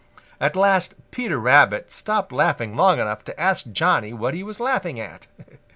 At last Peter Rabbit stopped laughing long enough to ask Johnny what he was laughing at.